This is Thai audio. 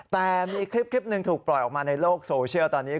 แต่มีคลิปหนึ่งถูกปล่อยออกมาในโลกโซเชียลตอนนี้